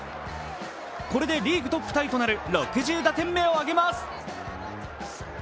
これでリーグトップタイとなる６０打点目を挙げます。